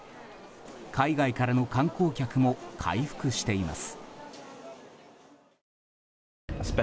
海外からの観光客も回復しています。